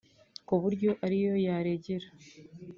ku buryo ari yo yaregera